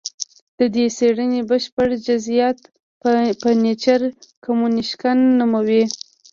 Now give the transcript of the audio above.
د دې څېړنې بشپړ جزیات په نېچر کمونیکشن نومې